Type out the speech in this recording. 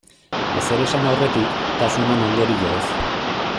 Ezer esan aurretik, kasu eman ondorioez.